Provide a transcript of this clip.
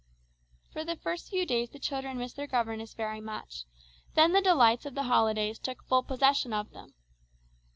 For the first few days the children missed their governess very much, then the delights of the holidays took full possession of them.